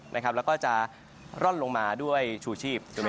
แล้วก็จะร่อนลงมาด้วยชูชีพ